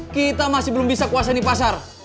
kita masih belum bisa kuasain di pasar